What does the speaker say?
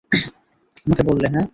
আমাকে বললে, হ্যাঁ!